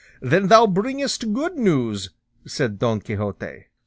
"Then thou bringest good news," said Don Quixote.